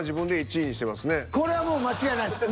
これはもう間違いないです。